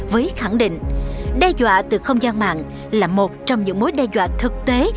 với khẳng định đe dọa từ không gian mạng là một trong những mối đe dọa thực tế